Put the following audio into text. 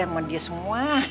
emang dia semua